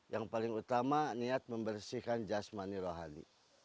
yang paling utama niat membersihkan jasmani rohani